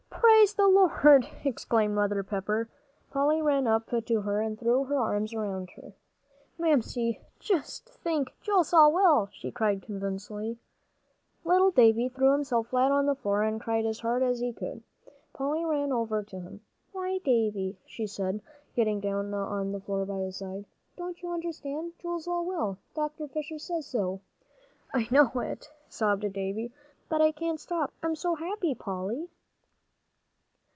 "Praise the Lord!" exclaimed Mother Pepper. Polly ran up to her and threw her arms around her. "Mamsie, just think, Joel's all well!" she cried convulsively. Little Davie threw himself flat on the floor and cried as hard as he could. Polly ran over to him, "Why, Davie," she cried, getting down on the floor by his side, "don't you understand? Joel's all well. Dr. Fisher says so." "I know it," sobbed Davie, "but I can't stop. I'm so happy, Polly."